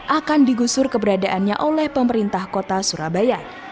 akan digusur keberadaannya oleh pemerintah kota surabaya